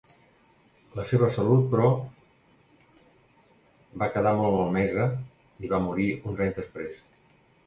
La seva salut, però, va quedar molt malmesa i va morir uns anys després.